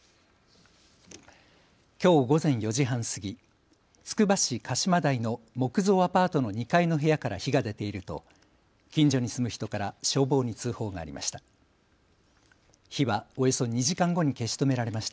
きょう午前４時半過ぎ、つくば市鹿島台の木造アパートの２階の部屋から火が出ていると近所に住む人から消防に通報がありました。